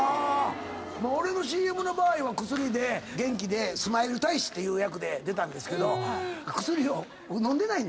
俺のＣＭの場合は薬で元気でスマイル大使っていう役で出たんですけど薬を僕飲んでない。